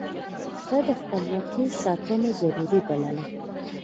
هغه د خپلواکۍ ساتنه ضروري بلله.